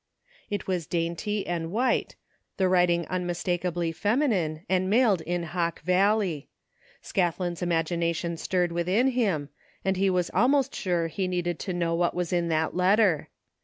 It was dainty and white, the writing unmistakably feminine, and mailed in Hawk Valley. Scathlin's imagination stirred within him, and he was almost sure he needed to know what was in that letter.